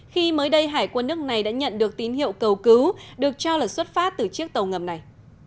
khi mới đây hải quân nước này đã nhận được tín hiệu cầu cứu được cho là xuất phát từ chiếc tàu ngầm này